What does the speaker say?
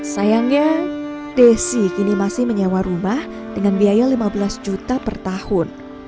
sayangnya desi kini masih menyewa rumah dengan biaya lima belas juta per tahun